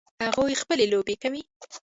هغوی خپلې لوبې کوي